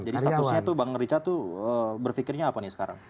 jadi statusnya itu bang richard itu berpikirnya apa nih sekarang